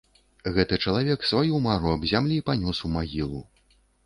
Гэты чалавек сваю мару аб зямлі панёс у магілу.